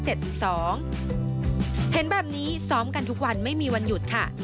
เห็นแบบนี้ซ้อมกันทุกวันไม่มีวันหยุดค่ะ